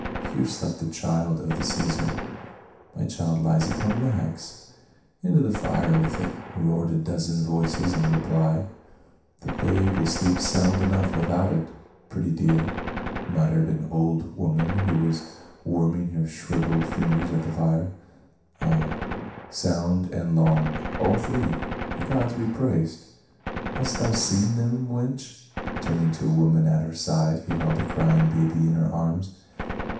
" Here slept the child of the Caesar ; my child lies upon rags !" "Into the fire with it!" roared a dozen voices in reply. 202 PA UL. " The babe will sleep sound enough without it, pretty dear," muttered an old woman, who was warm ing her shriveled fingers at the fire. "Ay, sound and long, all three, the gods be praised ! Hast thou seen them, wench?" turning to a woman at her side, who held a crying baby in her arms.